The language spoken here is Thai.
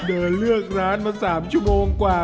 เดินเลือกร้านมา๓ชั่วโมงกว่า